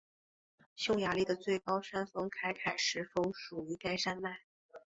匈牙利的最高峰凯凯什峰属于该山脉。